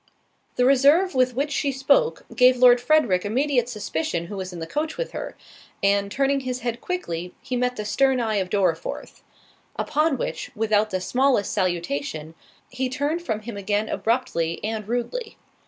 The reserve with which she spoke, gave Lord Frederick immediate suspicion who was in the coach with her, and turning his head quickly, he met the stern eye of Dorriforth; upon which, without the smallest salutation, he turned from him again abruptly and rudely.